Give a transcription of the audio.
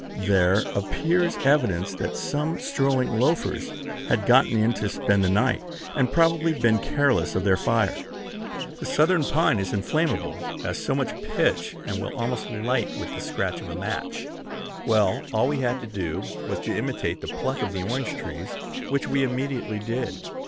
There appears evidence that some strolling loafers had gotten in to spend the night, and probably been careless of their fire. The southern pine is inflammable as so much pitch, and will almost light with the scratch of a match. Well, all we had to do was to imitate the pluck of the orange trees, which we immediately did.